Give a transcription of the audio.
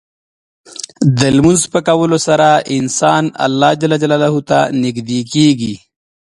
د لمونځ په کولو سره انسان الله ته نږدې کېږي.